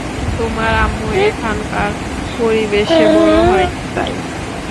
তোমার আম্মু এখানকার পরিবেশে বড় হয়নি তাই।